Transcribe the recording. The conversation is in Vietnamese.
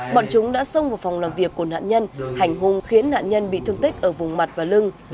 bọn chúng đã xông vào phòng làm việc của nạn nhân hành hung khiến nạn nhân bị thương tích ở vùng mặt và lưng